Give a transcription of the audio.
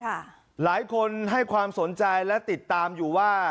หลายคนให้ความสนใจและติดตามอยู่ว่า